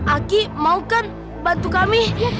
aki mau kan bantu kami